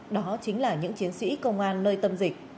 đó chính là những chiến sĩ công an nơi tâm dịch